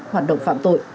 hoạt động phạm tội